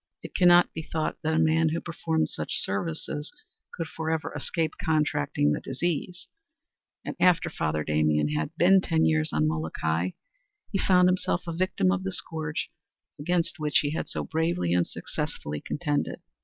It cannot be thought that a man who performed such services could forever escape contracting the disease, and after Father Damien had been ten years on Molokai he found himself a victim of the scourge against which he had so bravely and successfully contended.